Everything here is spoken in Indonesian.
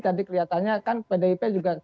tadi kelihatannya kan pdip juga